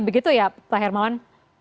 begitu ya pak hermawan